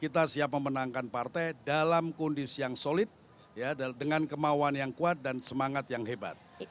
kita siap memenangkan partai dalam kondisi yang solid dengan kemauan yang kuat dan semangat yang hebat